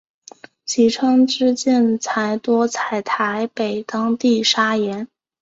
其窗之建材多采台北当地砂岩。